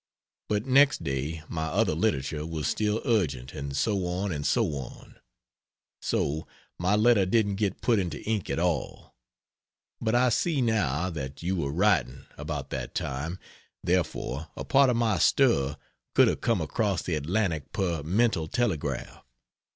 But next day my other literature was still urgent and so on and so on; so my letter didn't get put into ink at all. But I see now, that you were writing, about that time, therefore a part of my stir could have come across the Atlantic per mental telegraph.